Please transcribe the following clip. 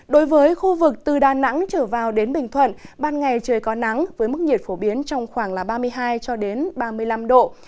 đối với khu vực từ đà nẵng trở vào đến bình thuận ban ngày trời có nắng với mức nhiệt phổ biến trong khoảng ba mươi hai ba mươi năm độ